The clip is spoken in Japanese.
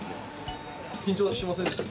緊張しませんでした？